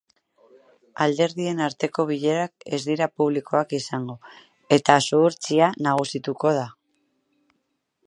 Alderdien arteko bilerak ez dira publikoak izango, eta zuhurtzia nagusituko da.